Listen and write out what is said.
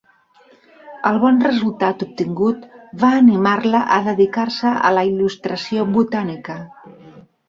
El bon resultat obtingut va animar-la a dedicar-se a la il·lustració botànica.